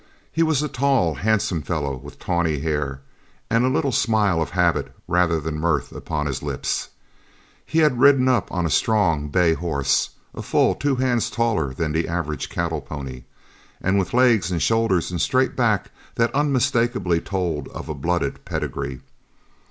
He was a tall, handsome fellow with tawny hair and a little smile of habit rather than mirth upon his lips. He had ridden up on a strong bay horse, a full two hands taller than the average cattle pony, and with legs and shoulders and straight back that unmistakably told of a blooded pedigree.